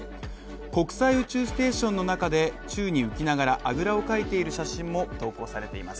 国際宇宙ステーションの中で宙に浮きながら、あぐらをかいている写真も投稿されています。